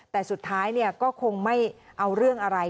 แต่สุดท้ายก็คงไม่เอาเรื่องอะไร